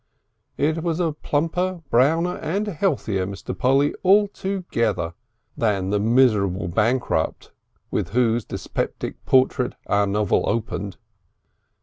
It was a plumper, browner and healthier Mr. Polly altogether than the miserable bankrupt with whose dyspeptic portrait our novel opened.